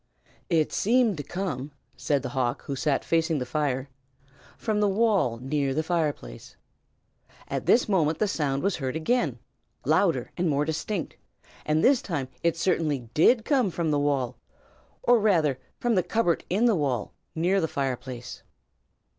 "It seemed to come," said the hawk, who sat facing the fire, "from the wall near the fireplace." At this moment the sound was heard again, louder and more distinct, and this time it certainly did come from the wall, or rather from the cupboard in the wall, near the fireplace.